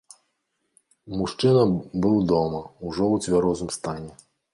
Мужчына быў дома, ужо ў цвярозым стане.